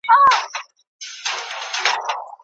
زاړه به ځي نوي نسلونه راځي